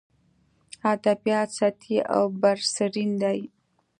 ادبیات سطحي او برسېرن دي.